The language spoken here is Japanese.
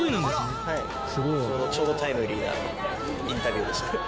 ちょうどタイムリーなインタビューでした。